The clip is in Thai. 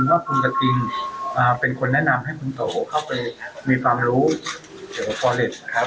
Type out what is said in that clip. ว่าคุณกะกินเป็นคนแนะนำให้คุณโฐเข้าไปมีความรู้เพื่อนกับซึ่ง